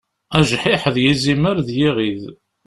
Ajḥiḥ d yizimer d yiɣid.